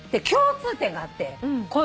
共通点があって。